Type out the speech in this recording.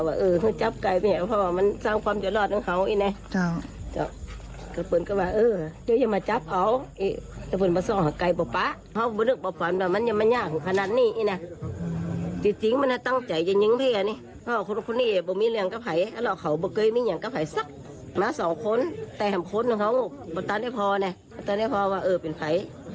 ว่าเออเขาจับไก่ไปเนี่ยเพราะว่ามันสร้างความจะรอดของเขา